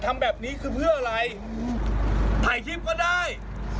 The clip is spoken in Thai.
ทำแบบนี้คือเพื่ออะไรถ่ายคลิปก็ได้